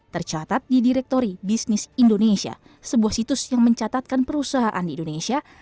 tercatat di direktori bisnis indonesia sebuah situs yang mencatatkan perusahaan di indonesia